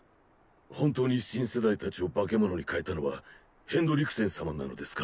本当に新世代たちを化け物に変えたのはヘンドリクセン様なのですか？